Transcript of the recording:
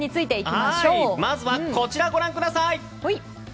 まずはこちらご覧ください。